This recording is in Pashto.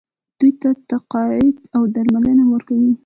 دوی ته تقاعد او درملنه ورکوي.